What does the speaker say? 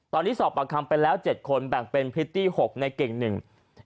ตอนนี้สอบปากคำไปแล้วเจ็ดคนแบ่งเป็นพริตตี้หกในเก่งหนึ่ง